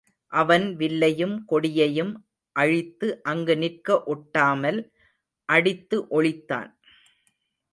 அவன் வில்லையும் கொடியையும் அழித்து அங்கு நிற்க ஒட்டாமல் அடித்து ஒழித்தான்.